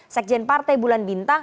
sekjen partai bulan bintang